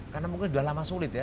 karena mungkin sudah lama sulit ya